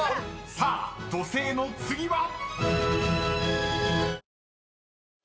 ［さあ「土星」の次は］